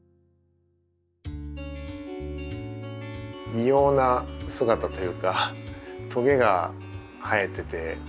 異様な姿というかトゲが生えてて。